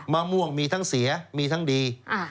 มะม่วงมีทั้งเสียมีทั้งดี